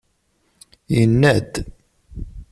Yenna-d.